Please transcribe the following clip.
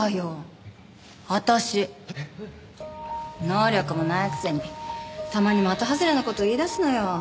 能力もないくせにたまに的外れな事言いだすのよ。